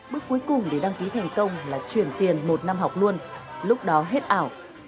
bước cuối cùng để đăng ký thành công là chuyển tiền một năm học luôn lúc đó hết ảo